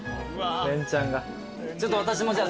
ちょっと私もじゃあ。